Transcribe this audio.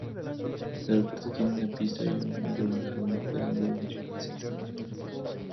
El aeropuerto tiene una pista y una terminal donde operan vuelos nacionales e internacionales.